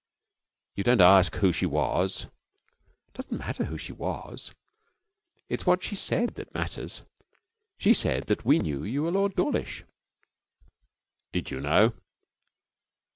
'You don't ask who she was?' 'It doesn't matter who she was. It's what she said that matters. She said that we knew you were Lord Dawlish.' 'Did you know?'